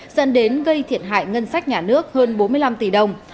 dẫn đến gây thiệt hại ngân sách nhà nước hơn bốn mươi năm tỷ đồng